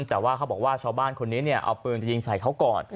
แต่ว่าเขาบอกว่าชาวบ้านคนนี้เนี่ยเอาปืนจะยิงใส่เขาก่อน